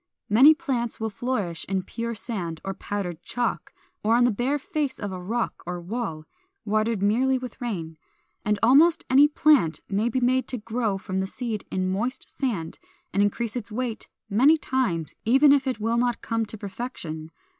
Many plants will flourish in pure sand or powdered chalk, or on the bare face of a rock or wall, watered merely with rain. And almost any plant may be made to grow from the seed in moist sand, and increase its weight many times, even if it will not come to perfection.